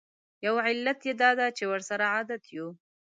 یو علت یې دا دی چې ورسره عادت یوو.